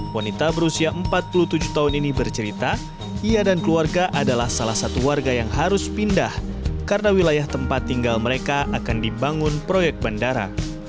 wanita berusia empat puluh tujuh tahun ini bercerita ia dan keluarga adalah salah satu warga yang harus pindah karena wilayah tempat tinggal mereka akan dibangun proyek bandara